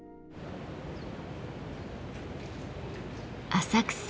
浅草。